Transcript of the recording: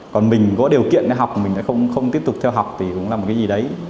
còn mình có điều kiện học mình không tiếp tục theo học thì cũng là một cái gì đấy